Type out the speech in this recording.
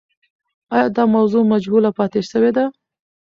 آیا دا موضوع مجهوله پاتې سوې ده؟